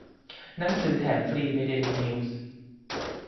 หนังสือแถมฟรีในเดลินิวส์